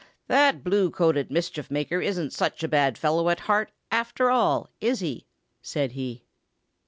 "That blue coated mischief maker isn't such a bad fellow at heart, after all, is he?" said he.